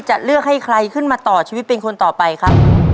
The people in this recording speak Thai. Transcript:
จะเลือกให้ใครขึ้นมาต่อชีวิตเป็นคนต่อไปครับ